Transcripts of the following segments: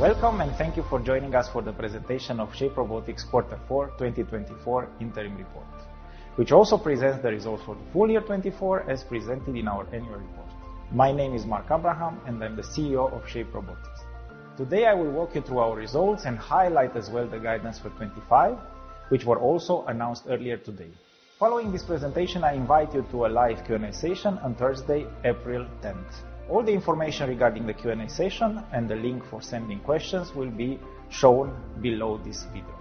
Welcome, and thank you for joining us for the presentation of Shape Robotics Quarter 4, 2024, Interim Report, which also presents the results for the full year 2024, as presented in our annual report. My name is Mark Abraham, and I'm the CEO of Shape Robotics. Today, I will walk you through our results and highlight as well the guidance for 2025, which were also announced earlier today. Following this presentation, I invite you to a live Q&A session on Thursday, April 10th. All the information regarding the Q&A session and the link for sending questions will be shown below this video.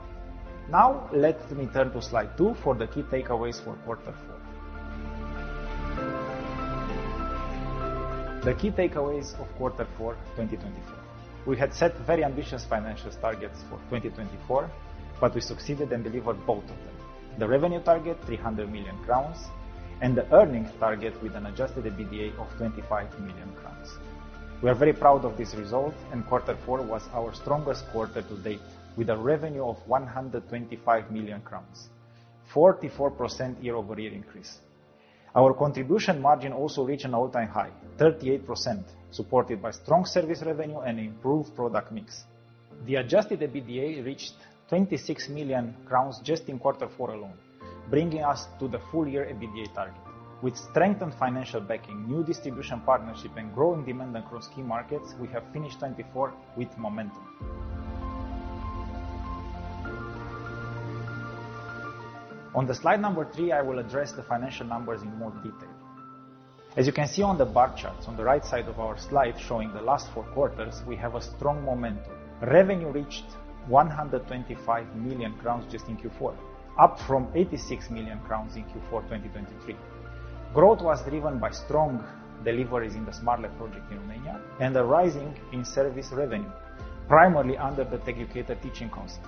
Now, let me turn to slide 2 for the key takeaways for Quarter 4. The key takeaways of Quarter 4, 2024. We had set very ambitious financial targets for 2024, but we succeeded and delivered both of them: the revenue target, 300 million crowns, and the earnings target with an adjusted EBITDA of 25 million crowns. We are very proud of this result, and Q4 was our strongest quarter to date, with a revenue of 125 million crowns, a 44% year-over-year increase. Our contribution margin also reached an all-time high, 38%, supported by strong service revenue and improved product mix. The adjusted EBITDA reached 26 million crowns just in Q4 alone, bringing us to the full-year EBITDA target. With strengthened financial backing, new distribution partnership, and growing demand across key markets, we have finished 2024 with momentum. On the slide number 3, I will address the financial numbers in more detail. As you can see on the bar charts on the right side of our slide showing the last four quarters, we have a strong momentum. Revenue reached 125 million crowns just in Q4, up from 86 million crowns in Q4 2023. Growth was driven by strong deliveries in the SmartLab project in Romania and a rise in service revenue, primarily under the Techducation teaching concept.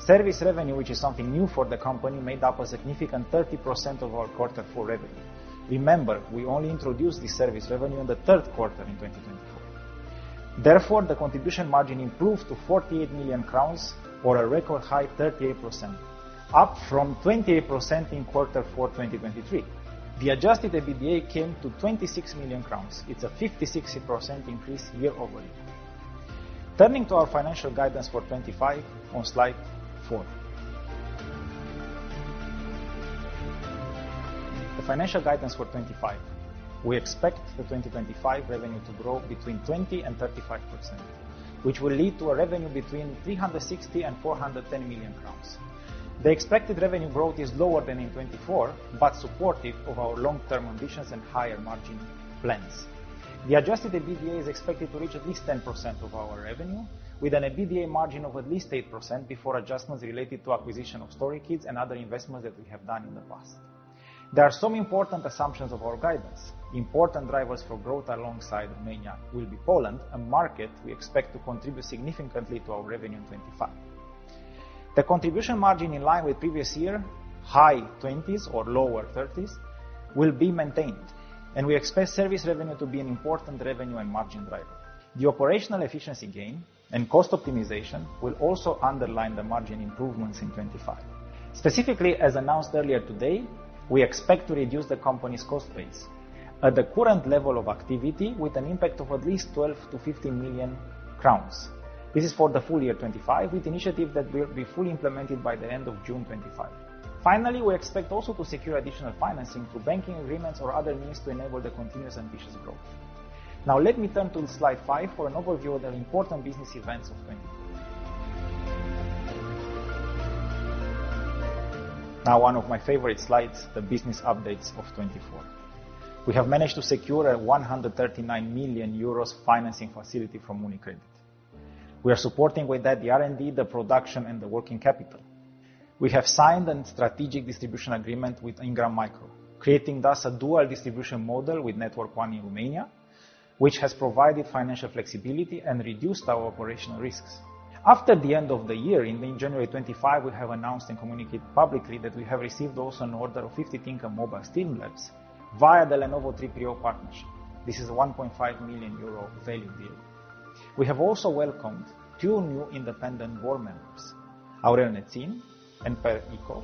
Service revenue, which is something new for the company, made up a significant 30% of our Q4 revenue. Remember, we only introduced this service revenue in the third quarter in 2024. Therefore, the contribution margin improved to 48 million crowns, or a record high, 38%, up from 28% in Q4 2023. The adjusted EBITDA came to 26 million crowns. It's a 56% increase year-over-year. Turning to our financial guidance for 2025 on slide 4. The financial guidance for 2025. We expect the 2025 revenue to grow between 20% and 35%, which will lead to a revenue between 360 million and 410 million crowns. The expected revenue growth is lower than in 2024, but supportive of our long-term ambitions and higher margin plans. The adjusted EBITDA is expected to reach at least 10% of our revenue, with an EBITDA margin of at least 8% before adjustments related to acquisition of storage kits and other investments that we have done in the past. There are some important assumptions of our guidance. Important drivers for growth alongside Romania will be Poland, a market we expect to contribute significantly to our revenue in 2025. The contribution margin, in line with previous year, high 20s or lower 30s, will be maintained, and we expect service revenue to be an important revenue and margin driver. The operational efficiency gain and cost optimization will also underline the margin improvements in 2025. Specifically, as announced earlier today, we expect to reduce the company's cost base at the current level of activity with an impact of at least 12 million-15 million crowns. This is for the full year 2025, with initiatives that will be fully implemented by the end of June 2025. Finally, we expect also to secure additional financing through banking agreements or other means to enable the continuous ambitious growth. Now, let me turn to slide 5 for an overview of the important business events of 2024. Now, one of my favorite slides, the business updates of 2024. We have managed to secure a 139 million euros financing facility from UniCredit. We are supporting with that the R&D, the production, and the working capital. We have signed a strategic distribution agreement with Ingram Micro, creating thus a dual distribution model with Network One in Romania, which has provided financial flexibility and reduced our operational risks. After the end of the year, in January 2025, we have announced and communicated publicly that we have received also an order of 50 Tincombe mobile STEAM labs via the Lenovo 3PO partnership. This is a 1.5 million euro value deal. We have also welcomed two new independent board members, Aurel Nețin and Per Ikov,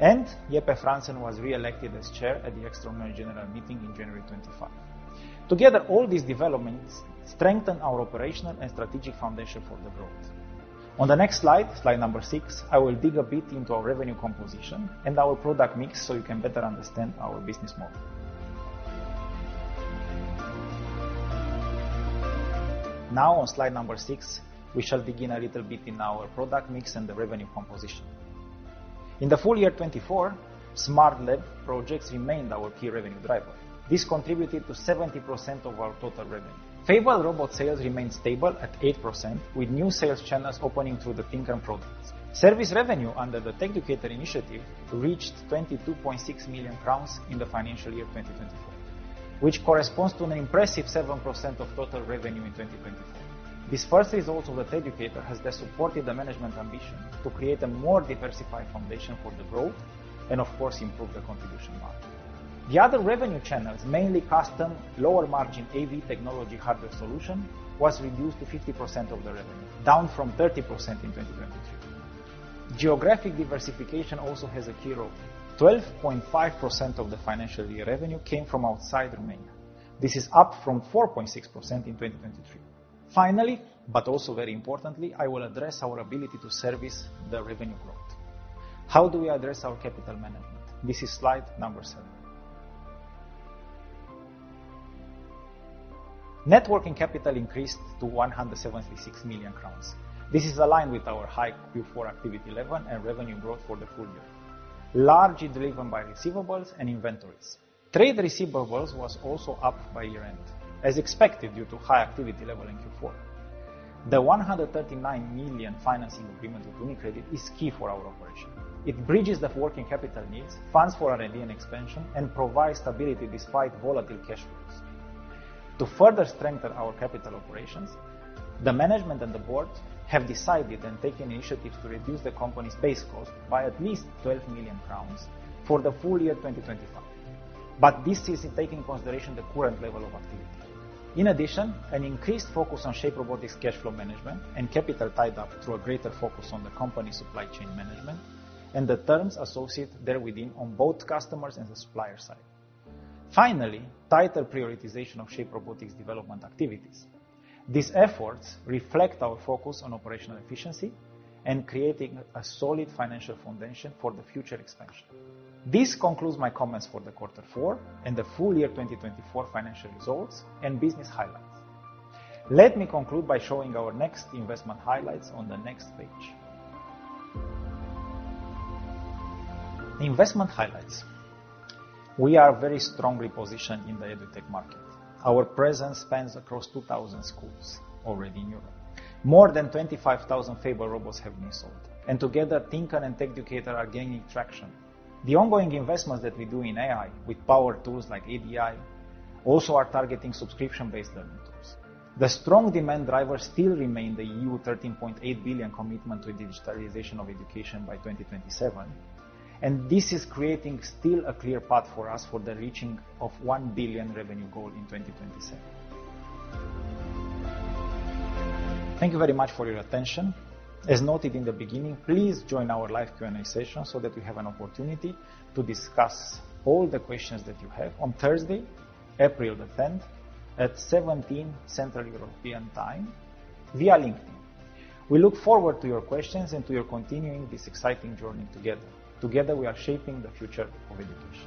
and Jeppe Frandsen was re-elected as Chair at the Extraordinary General Meeting in January 2025. Together, all these developments strengthen our operational and strategic foundation for the growth. On the next slide, slide number 6, I will dig a bit into our revenue composition and our product mix so you can better understand our business model. Now, on slide number 6, we shall begin a little bit in our product mix and the revenue composition. In the full year 2024, SmartLab projects remained our key revenue driver. This contributed to 70% of our total revenue. Fable robot sales remained stable at 8%, with new sales channels opening through the Tincombe products. Service revenue under the TechUcata initiative reached 22.6 million crowns in the financial year 2024, which corresponds to an impressive 7% of total revenue in 2024. This first result of the TechUcata has supported the management ambition to create a more diversified foundation for the growth and, of course, improve the contribution margin. The other revenue channels, mainly custom lower-margin AV technology hardware solution, were reduced to 15% of the revenue, down from 30% in 2023. Geographic diversification also has a key role. 12.5% of the financial year revenue came from outside Romania. This is up from 4.6% in 2023. Finally, but also very importantly, I will address our ability to service the revenue growth. How do we address our capital management? This is slide number 7. Net working capital increased to 176 million crowns. This is aligned with our high Q4 activity level and revenue growth for the full year. Largely driven by receivables and inventories. Trade receivables were also up by year-end, as expected due to high activity level in Q4. The 139 million financing agreement with UniCredit is key for our operation. It bridges the working capital needs, funds for R&D and expansion, and provides stability despite volatile cash flows. To further strengthen our capital operations, the management and the board have decided and taken initiatives to reduce the company's base cost by at least 12 million crowns for the full year 2025. This is taking into consideration the current level of activity. In addition, an increased focus on Shape Robotics cash flow management and capital tied up through a greater focus on the company's supply chain management and the terms associated there within on both customers and the supplier side. Finally, tighter prioritization of Shape Robotics development activities. These efforts reflect our focus on operational efficiency and creating a solid financial foundation for the future expansion. This concludes my comments for the quarter four and the full year 2024 financial results and business highlights. Let me conclude by showing our next investment highlights on the next page. Investment highlights. We are very strongly positioned in the EdTech market. Our presence spans across 2,000 schools already in Europe. More than 25,000 Fable robots have been sold, and together, Tincombe and TechUcata are gaining traction. The ongoing investments that we do in AI with power tools like ADI also are targeting subscription-based learning tools. The strong demand driver still remains the EU 13.8 billion commitment to digitalization of education by 2027, and this is creating still a clear path for us for the reaching of 1 billion revenue goal in 2027. Thank you very much for your attention. As noted in the beginning, please join our live Q&A session so that we have an opportunity to discuss all the questions that you have on Thursday, April the 10th, at 5:00 P.M. Central European Time via LinkedIn. We look forward to your questions and to your continuing this exciting journey together. Together, we are shaping the future of education.